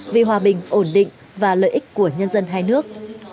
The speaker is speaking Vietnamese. vì hòa bình ổn định và lợi ích của nhân dân hai nước